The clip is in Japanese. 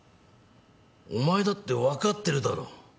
お前だって分かってるだろ。